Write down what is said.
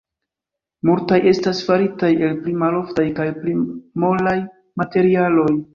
Multaj estas faritaj el pli maloftaj kaj pli molaj materialoj.